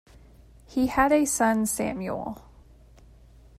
He had a son Samuel.